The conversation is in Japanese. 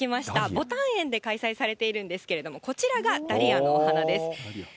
ぼたん苑で開催されているんですけれども、こちらがダリアのお花です。